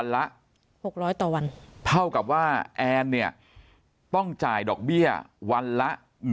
เจ้านี้ต้องจ่ายดอกวันละ